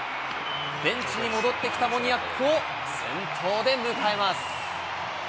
ベンチに戻ってきたモニアックを先頭で迎えます。